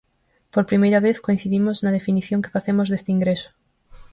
Por primeira vez coincidimos na definición que facemos deste ingreso.